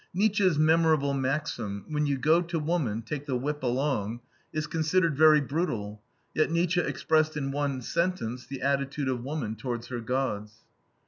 Nietzsche's memorable maxim, "When you go to woman, take the whip along," is considered very brutal, yet Nietzsche expressed in one sentence the attitude of woman towards her gods.